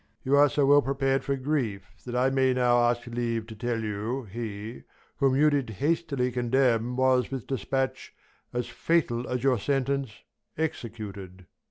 You are so well prepar'd for grief, That I may now ask leave to tell you, he, whom You did hastily condemn, was, with dispatch, As fatal as your sentence, executed.